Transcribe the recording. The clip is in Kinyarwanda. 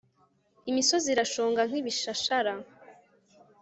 imisozi irashonga nk'ibishashara